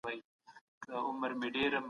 سیاسي ثبات د هېواد د پرمختګ لپاره اړین دی.